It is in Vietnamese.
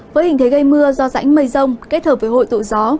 với hình thế gây mưa do rãnh mây rông kết hợp với hội tụ gió